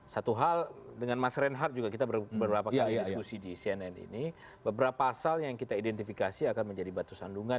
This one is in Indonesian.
satu hal dengan mas reinhardt juga kita beberapa kali diskusi di cnn ini beberapa pasal yang kita identifikasi akan menjadi batu sandungan